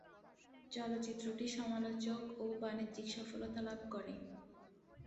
চলচ্চিত্রটি সমালোচক ও বাণিজ্যিক সফলতা লাভ করে।